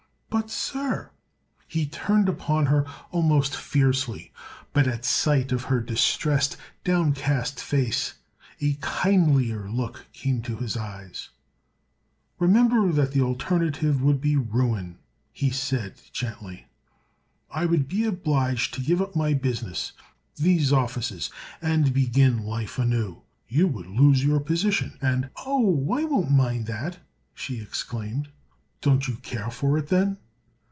"But, sir—" He turned upon her almost fiercely, but at sight of her distressed, downcast face a kindlier look came to his eyes. "Remember that the alternative would be ruin," he said gently. "I would be obliged to give up my business—these offices—and begin life anew. You would lose your position, and—" "Oh, I won't mind that!" she exclaimed. "Don't you care for it, then?"